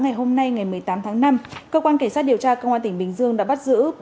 ngày hôm nay ngày một mươi tám tháng năm cơ quan cảnh sát điều tra cơ quan tỉnh bình dương đã bắt giữ bốn